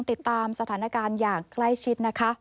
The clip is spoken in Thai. ติดตามสถานการณ์อย่างใกล้ชิดนะคะ